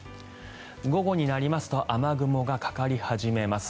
午後になりますと雨雲がかかり始めます。